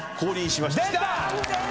出た！